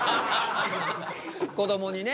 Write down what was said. こどもにね。